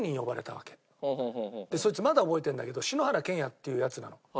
そいつまだ覚えてるんだけど篠原健也っていうヤツなの。